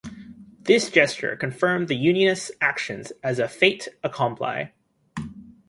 This gesture confirmed the unionists' actions as a fait accompli.